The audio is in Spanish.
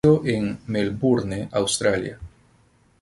Nació en Melbourne, Australia.